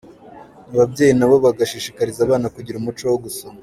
Ababyeyi nabo bagashishikariza abana kugira umuco wo gusoma.